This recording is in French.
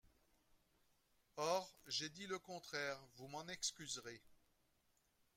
Or j’ai dit le contraire, vous m’en excuserez.